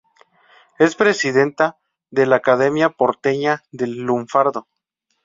Es presidenta de la Academia Porteña del Lunfardo.